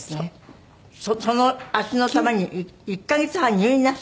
その足のために１カ月半入院なすったの？